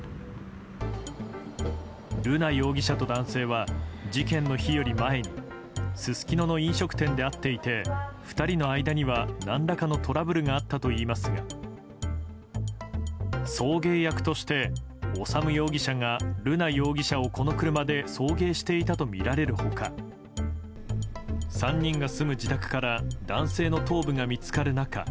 瑠奈容疑者と男性は事件の日より前にすすきのの飲食店で会っていて２人の間には何らかのトラブルがあったとみられますが送迎役として修容疑者が瑠奈容疑者をこの車で送迎していたとみられる他３人が住む自宅から男性の頭部が見つかる中